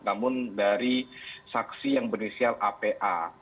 namun dari saksi yang bernisial apa